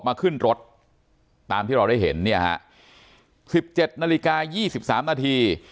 มาขึ้นรถตามที่เราได้เห็นเนี่ย๑๗นาฬิกายี่สิบสามนาที